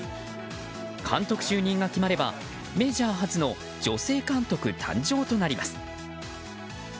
監督就任が決まればメジャー初の女性監督誕生となります。